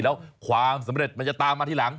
แล้วความสำเร็จมันจะตามมาทีหลัง